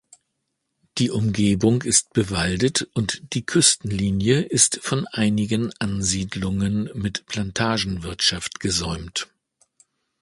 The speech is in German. Die Umgebung ist bewaldet und die Küstenlinie ist von einigen Ansiedlungen mit Plantagenwirtschaft gesäumt.